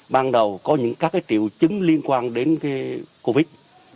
ban đầu có những các triệu chứng liên quan đến covid